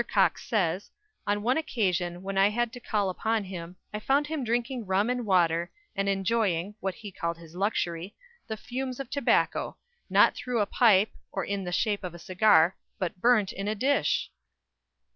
Cox says: "On one occasion, when I had to call upon him, I found him drinking rum and water, and enjoying (what he called his luxury) the fumes of tobacco, not through a pipe or in the shape of a cigar, but _burnt in a dish!